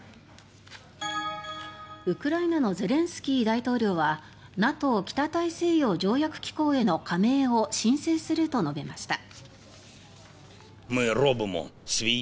ウクライナのゼレンスキー大統領はＮＡＴＯ・北大西洋条約機構への加盟を申請すると述べました。